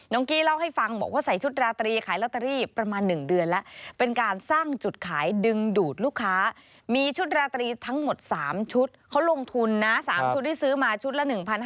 น้องกี้เล่าให้ฟังบอกว่าใส่ชุดราตรีขายราตรีประมาณ๑เดือนแล้ว